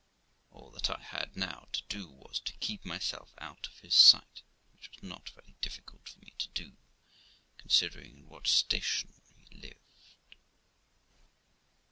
All that I had now to do was to keep myself out of his sight, which was not very difficult for me to do, considering in what station he lived.